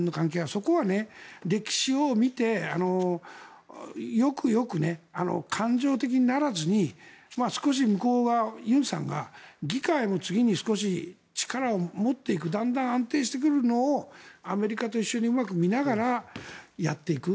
そこは歴史を見てよくよく感情的にならずに少し向こうが、尹さんが議会も次に、少し力を持っていくだんだん安定してくるのをアメリカと一緒にうまく見ながらやっていく。